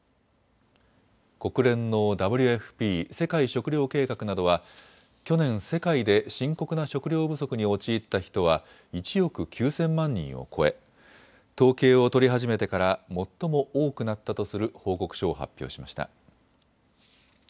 国連のＷＦＰ・世界食糧計画などは去年、世界で深刻な食糧不足に陥った人は１億９０００万人を超え統計を取り始めてから最も多くなったとする報告書を発表しました。